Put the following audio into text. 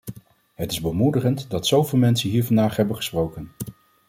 Het is bemoedigend dat zo veel mensen hier vandaag hebben gesproken.